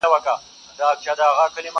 په څيرلو په وژلو كي بېباكه،